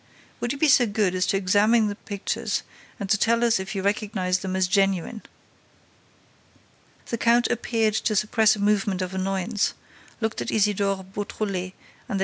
Would you be so good as to examine the pictures and to tell us if you recognize them as genuine?" The count appeared to suppress a movement of annoyance, looked at Isidore Beautrelet and at M.